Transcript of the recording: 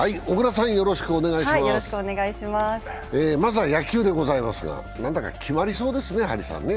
まずは野球でございますが、何だか決まりそうですね、張さんね。